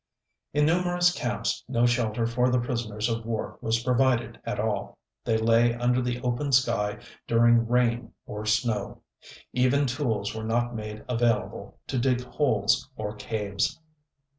"In numerous camps, no shelter for the prisoners of war was provided at all. They lay under the open sky during rain or snow. Even tools were not made available to dig holes or caves."